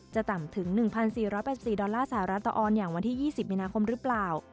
ต่ำถึง๑๔๘๔ดอลลาร์สหรัฐต่อออนอย่างวันที่๒๐มินาคมหรือเปล่า